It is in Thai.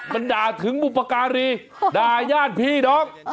มันด่าถึงบุปการีด่าญาติพี่น้อง